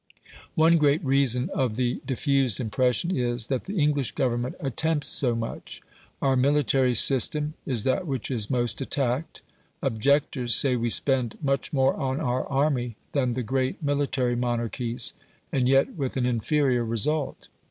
One great reason of the diffused impression is, that the English Government attempts so much. Our military system is that which is most attacked. Objectors say we spend much more on our army than the great military monarchies, and yet with an inferior result.